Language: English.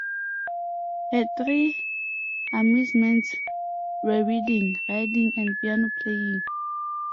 Her three amusements were reading, riding and piano-playing.